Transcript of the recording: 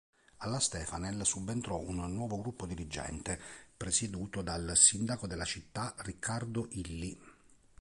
Alla Stefanel subentrò un nuovo gruppo dirigente presieduto dal sindaco della città Riccardo Illy.